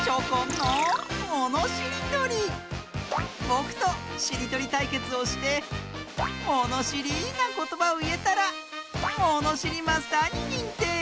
ぼくとしりとりたいけつをしてものしりなことばをいえたらものしりマスターににんてい！